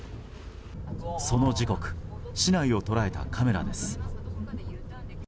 その時刻市内を捉えたカメラです。